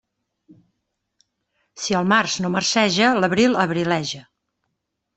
Si el març no marceja, l'abril abrileja.